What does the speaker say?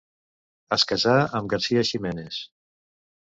Es casà amb Garcia Ximenes.